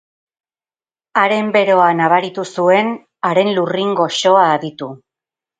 Haren beroa nabaritu zuen, haren lurrin goxoa aditu.